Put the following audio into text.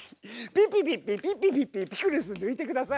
ピッピピッピピッピピッピピクルス抜いて下さい。